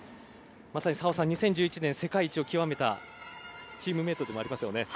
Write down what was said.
まさに澤さん２０１１年、世界一を決めたチームメートでもありますね。